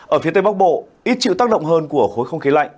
ở phía tây bắc bộ ít chịu tác động hơn của khối không khí lạnh